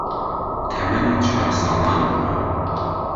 تەمەنی چوار ساڵان بووە